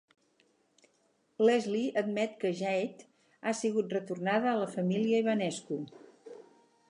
Leslie admet que Jade ha sigut retornada a la família Ibanescu.